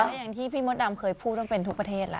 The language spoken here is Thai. แล้วตัวเองที่พี่มดดำเคยพูดว่าเป็นทุกประเทศละ